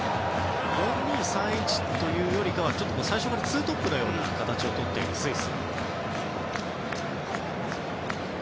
４−２−３−１というよりかは最初から２トップのような形をとっているスイス。